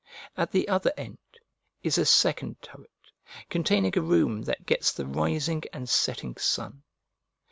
At the other end is a second turret, containing a room that gets the rising and setting sun.